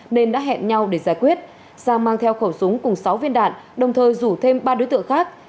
nên đã hẹn nhau để giải quyết sang mang theo khẩu súng cùng sáu viên đạn đồng thời rủ thêm ba đối tượng khác